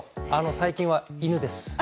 最近は犬です。